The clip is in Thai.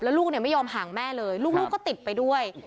แล้วลูกไม่ยอมห่างแม่เลยลูกก็ติดไปด้วย